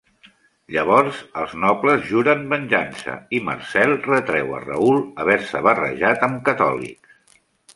Llavors, els nobles juren venjança i Marcel retreu a Raoul haver-se barrejat amb catòlics.